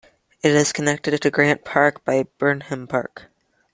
It is connected to Grant Park by Burnham Park.